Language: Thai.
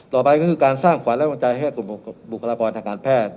ต่อไปก็คือการสร้างขวัญและกำลังใจให้กลุ่มบุคลากรทางการแพทย์